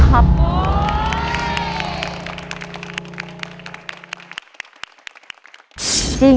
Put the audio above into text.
เสร็จครับ